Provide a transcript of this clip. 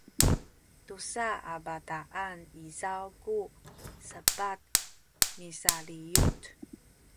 tusa a bataan izaw ku sepat misaliyut